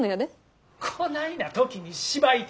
こないな時に芝居て。